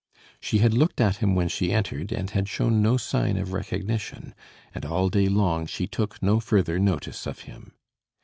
She had looked at him when she entered, but had shown no sign of recognition; and all day long she took no further notice of him.